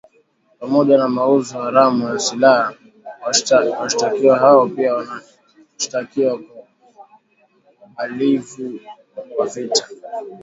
Pamoja na mauzo haramu ya silaha washtakiwa hao pia wanashtakiwa kwa uhalivu wa vita